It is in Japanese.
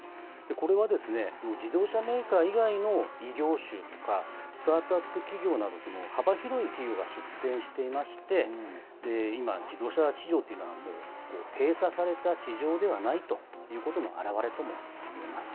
これはですね、自動車メーカー以外の異業種やスタートアップ企業など、幅広い企業が出展していまして、今、自動車市場というのは、もう閉鎖された市場ではないということの表れともいえます。